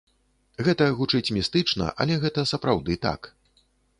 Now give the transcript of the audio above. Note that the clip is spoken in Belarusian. Гэта гучыць містычна, але гэта сапраўды так.